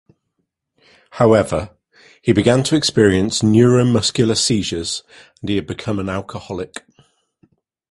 However, he began to experience neuromuscular seizures and he had become an alcoholic.